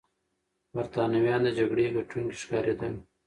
برتانويان د جګړې ګټونکي ښکارېدل.